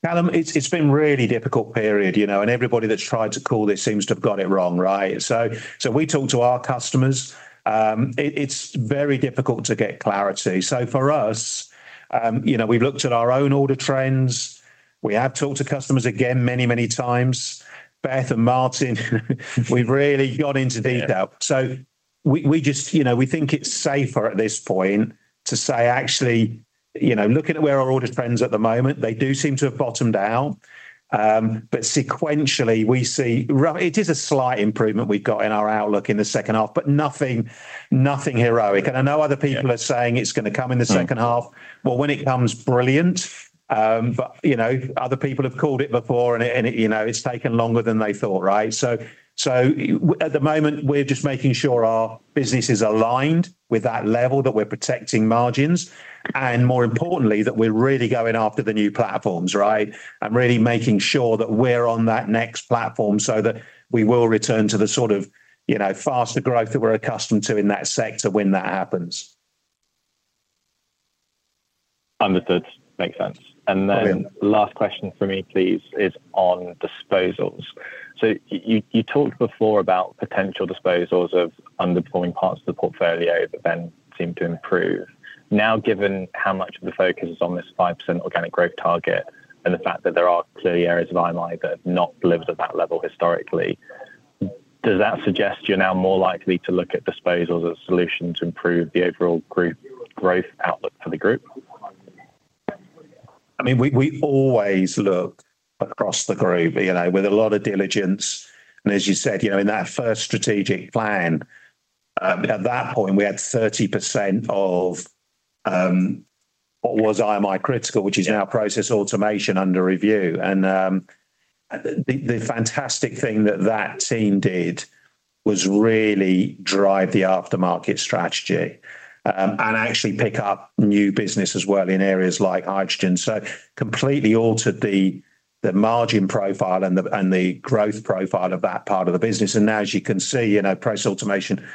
Callum, it's been a really difficult period, you know, and everybody that's tried to call this seems to have got it wrong, right? So we talk to our customers. It's very difficult to get clarity. So for us, you know, we've looked at our own order trends. We have talked to customers again many, many times. Beth and Martin, we've really got into detail. Yeah. So we just, you know, we think it's safer at this point to say actually, you know, looking at where our order trends at the moment, they do seem to have bottomed out. But sequentially, we see. Well, it is a slight improvement we've got in our outlook in the second half, but nothing, nothing heroic. Yeah. I know other people are saying it's gonna come in the second half. Right. Well, when it comes, brilliant. But, you know, other people have called it before, and it, you know, it's taken longer than they thought, right? So, at the moment, we're just making sure our business is aligned with that level, that we're protecting margins, and more importantly, that we're really going after the new platforms, right? And really making sure that we're on that next platform so that we will return to the sort of, you know, faster growth that we're accustomed to in that sector when that happens. Understood. Makes sense. Okay. Then last question for me, please, is on disposals. So you talked before about potential disposals of underperforming parts of the portfolio that then seem to improve. Now, given how much of the focus is on this 5% organic growth target and the fact that there are clearly areas of IMI that have not lived at that level historically, does that suggest you're now more likely to look at disposals as a solution to improve the overall group growth outlook for the group? I mean, we, we always look across the group, you know, with a lot of diligence. And as you said, you know, in that first strategic plan, at that point, we had 30% of, what was IMI Critical, which is now Process Automation under review. And, the, the fantastic thing that that team did was really drive the Aftermarket strategy, and actually pick up new business as well in areas like hydrogen. So completely altered the, the margin profile and the, and the growth profile of that part of the business. And now, as you can see, you know, Process Automation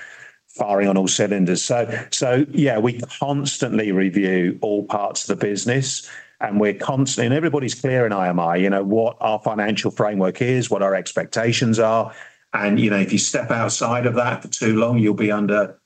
firing on all cylinders. So yeah, we constantly review all parts of the business, and we're constantly. And everybody's clear in IMI, you know, what our financial framework is, what our expectations are, and, you know, if you step outside of that for too long, you'll be under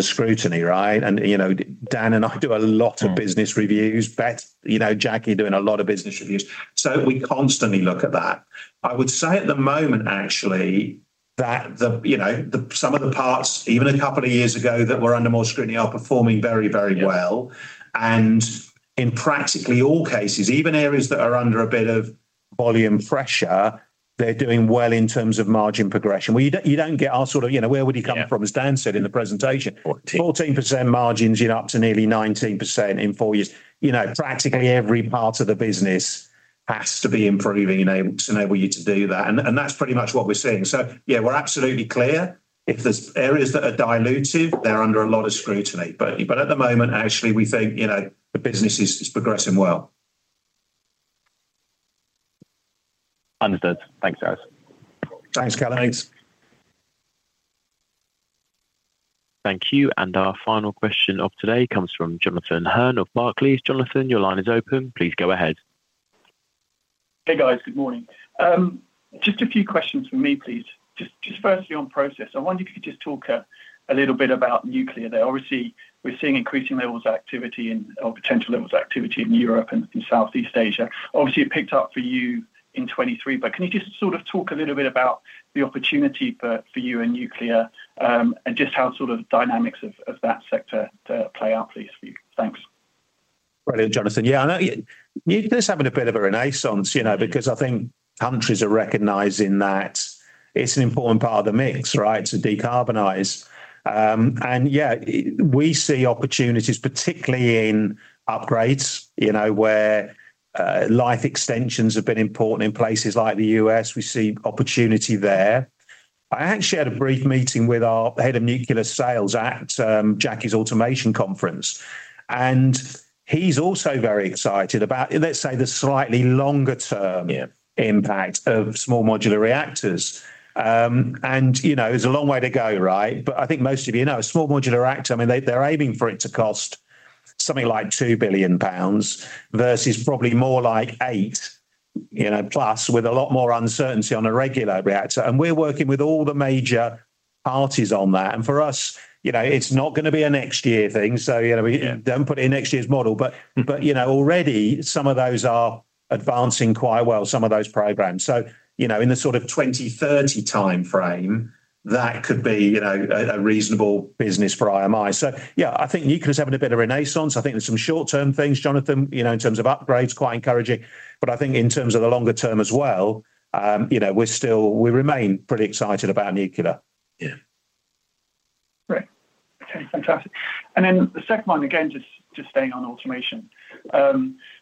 scrutiny, right? And, you know, Dan and I do a lot of business reviews. Yeah. Beth, you know, Jackie doing a lot of business reviews. So we constantly look at that. I would say at the moment, actually, that the, you know, the, some of the parts, even a couple of years ago, that were under more scrutiny, are performing very, very well. Yeah. In practically all cases, even areas that are under a bit of volume pressure, they're doing well in terms of margin progression, where you don't get our sort of, you know, where would you come from- Yeah... as Dan said in the presentation. Fourteen. 14% margins get up to nearly 19% in 4 years. You know, practically every part of the business has to be improving, you know, to enable you to do that. And, and that's pretty much what we're seeing. So yeah, we're absolutely clear. If there's areas that are dilutive, they're under a lot of scrutiny. But, but at the moment, actually, we think, you know, the business is, is progressing well. Understood. Thanks, guys. Thanks, Callum. Thank you, and our final question of today comes from Jonathan Hearn of Barclays. Jonathan, your line is open. Please go ahead. Hey, guys. Good morning. Just a few questions from me, please. Just, just firstly, on process, I wonder if you could just talk a little bit about nuclear there. Obviously, we're seeing increasing levels of activity and, or potential levels of activity in Europe and in Southeast Asia. Obviously, it picked up for you in 2023, but can you just sort of talk a little bit about the opportunity for, for you in nuclear, and just how sort of dynamics of, of that sector play out, please, for you? Thanks. Brilliant, Jonathan. Yeah, I know, yeah, nuclear is having a bit of a renaissance, you know, because I think countries are recognizing that it's an important part of the mix, right? To decarbonize. And yeah, we see opportunities, particularly in upgrades, you know, where life extensions have been important in places like the US. We see opportunity there. I actually had a brief meeting with our head of nuclear sales at Jackie's automation conference, and he's also very excited about, let's say, the slightly longer-term- Yeah Impact of small modular reactors. And, you know, there's a long way to go, right? But I think most of you know, a small modular reactor, I mean, they, they're aiming for it to cost something like 2 billion pounds, versus probably more like 8 billion, you know, plus, with a lot more uncertainty on a regular reactor. And we're working with all the major parties on that. And for us, you know, it's not gonna be a next year thing, so, you know, we don't put it in next year's model. But you know, already some of those are advancing quite well, some of those programs. So, you know, in the sort of 2030 timeframe, that could be, you know, a reasonable business for IMI. So yeah, I think nuclear is having a bit of renaissance. I think there are some short-term things, Jonathan, you know, in terms of upgrades, quite encouraging, but I think in terms of the longer term as well, you know, we remain pretty excited about nuclear. Yeah. Great. Okay, fantastic. And then the second one, again, just staying on automation.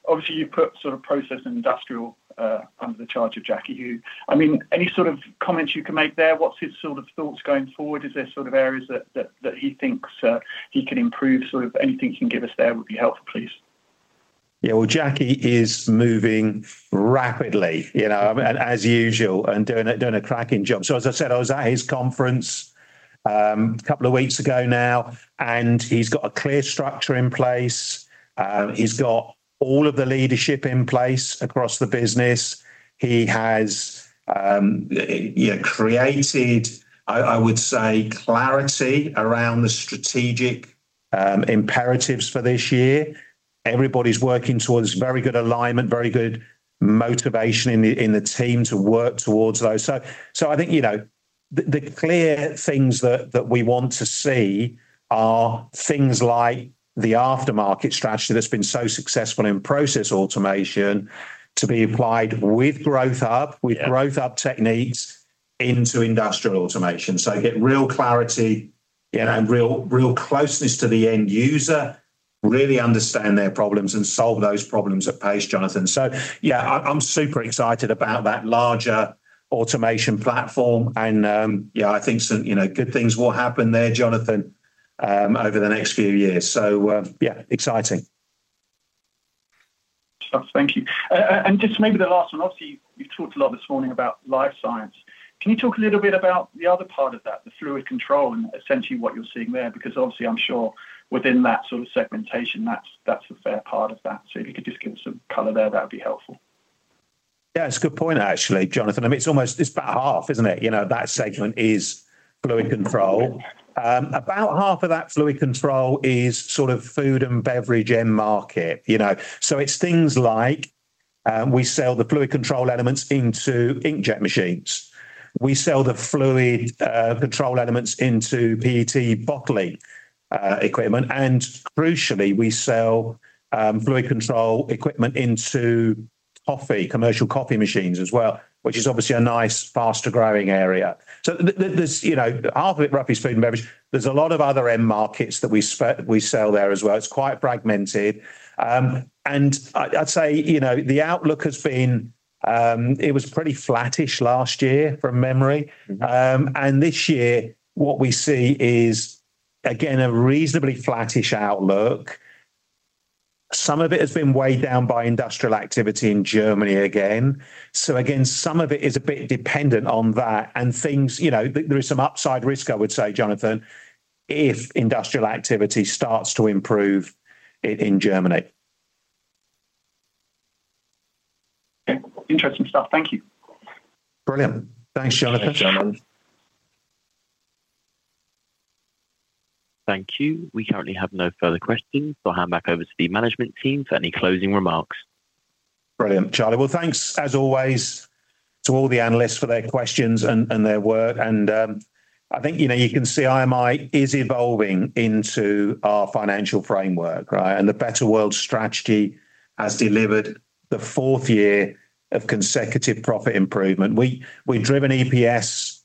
Obviously, you put sort of process and industrial under the charge of Jackie Hu. I mean, any sort of comments you can make there? What's his sort of thoughts going forward? Is there sort of areas that he thinks he can improve? Sort of anything he can give us there would be helpful, please. Yeah, well, Jackie is moving rapidly, you know, as usual, and doing a cracking job. So as I said, I was at his conference a couple of weeks ago now, and he's got a clear structure in place. He's got all of the leadership in place across the business. He has, you know, created, I would say, clarity around the strategic imperatives for this year. Everybody's working towards very good alignment, very good motivation in the team to work towards those. So I think, you know, the clear things that we want to see are things like the aftermarket strategy that's been so successful in process automation to be applied with Growth Hub- Yeah... with Growth Hub techniques into industrial automation. So get real clarity and real, real closeness to the end user, really understand their problems, and solve those problems at pace, Jonathan. So yeah, I'm super excited about that larger automation platform, and, yeah, I think some, you know, good things will happen there, Jonathan, over the next few years. So, yeah, exciting. Thank you. And just maybe the last one, obviously, you've talked a lot this morning about life science. Can you talk a little bit about the other part of that, the fluid control and essentially what you're seeing there? Because obviously, I'm sure within that sort of segmentation, that's, that's a fair part of that. So if you could just give us some color there, that'd be helpful. Yeah, it's a good point, actually, Jonathan. I mean, it's almost, it's about half, isn't it? You know, that segment is fluid control. About half of that fluid control is sort of food and beverage end market, you know. So it's things like, we sell the fluid control elements into inkjet machines. We sell the fluid control elements into PET bottling equipment, and crucially, we sell fluid control equipment into coffee, commercial coffee machines as well, which is obviously a nice, faster-growing area. So there, there, there's, you know, half of it, roughly, is food and beverage. There's a lot of other end markets that we sell there as well. It's quite fragmented. And I'd, I'd say, you know, the outlook has been, it was pretty flattish last year, from memory. Mm-hmm. And this year, what we see is, again, a reasonably flattish outlook. Some of it has been weighed down by industrial activity in Germany again. So again, some of it is a bit dependent on that and things... You know, there is some upside risk, I would say, Jonathan, if industrial activity starts to improve in Germany. Okay. Interesting stuff. Thank you. Brilliant. Thanks, Jonathan. Thank you. We currently have no further questions. I'll hand back over to the management team for any closing remarks. Brilliant, Charlie. Well, thanks, as always, to all the analysts for their questions and their work. And I think, you know, you can see IMI is evolving into our financial framework, right? And the Better World strategy has delivered the fourth year of consecutive profit improvement. We, we've driven EPS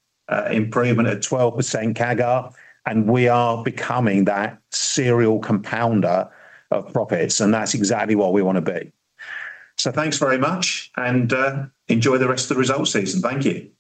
improvement at 12% CAGR, and we are becoming that serial compounder of profits, and that's exactly what we wanna be. So thanks very much, and enjoy the rest of the results season. Thank you.